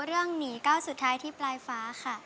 หนีก้าวสุดท้ายที่ปลายฟ้าค่ะ